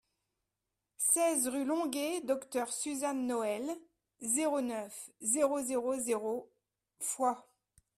seize rue Longué Docteur Suzanne Noël, zéro neuf, zéro zéro zéro Foix